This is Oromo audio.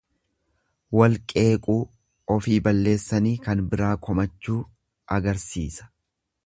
Walqeequu, ofii balleessanii kan biraa komachuu agarsiisa.